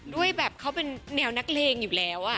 ด้วยแบบเขาเป็นแนวนักเลงอยู่แล้ว